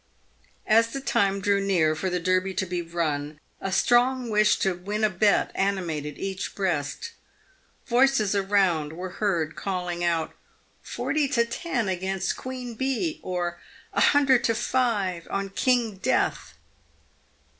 As the time drew near for the Derby to be run, a strong wish to win a bet animated each breast. Voices around were heard calling out " Eorty to ten against Queen Bee." Or, " A hundred to five on King Death."